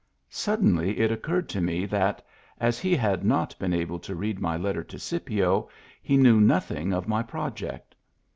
Suddenly it occurred to me that, as he had not been able to read my letter to Scipio, he knew nothing of my project.